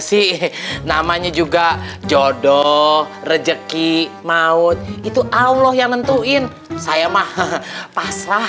sofya tuh kan janda